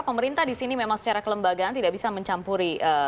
pemerintah di sini memang secara kelembagaan tidak bisa mencampuri